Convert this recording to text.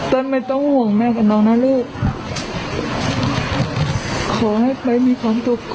ไม่ต้องห่วงแม่กับน้องนะลูกขอให้ไปมีความสุข